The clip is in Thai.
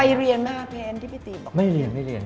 ไปเรียนมากพี่แอนด์ที่พี่ตีบบอก